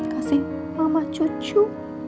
kasih mama cucu